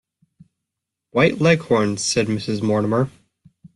White Leghorns, said Mrs Mortimer.